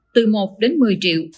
từ một đến một mươi triệu